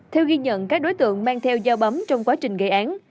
theo ghi nhận các đối tượng mang theo giao bấm trong quá trình gây án